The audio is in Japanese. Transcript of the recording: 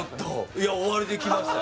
いや終わりで来ましたよ